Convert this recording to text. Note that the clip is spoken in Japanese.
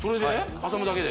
挟むだけで？